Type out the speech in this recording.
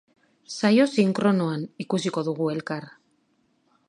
Saio sinkronoan ikusiko dugu elkar.